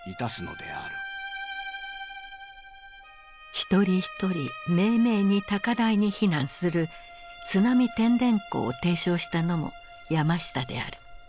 一人一人めいめいに高台に避難する「津波てんでんこ」を提唱したのも山下である。